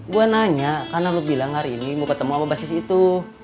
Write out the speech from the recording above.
gua nanya karena lu bilang hari ini mau ketemu sama bassist itu